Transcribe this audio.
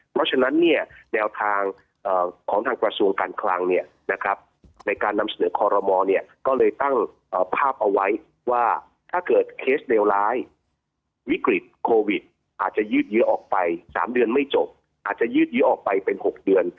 เพราะฉะนั้นเนี่ยแนวทางของทางกระทรวงการคลังเนี่ยนะครับในการนำเสนอคอรมอลเนี่ยก็เลยตั้งภาพเอาไว้ว่าถ้าเกิดเคสเลวร้ายวิกฤตโควิดอาจจะยืดเยื้อออกไป๓เดือนไม่จบอาจจะยืดเยื้อออกไปเป็น๖เดือน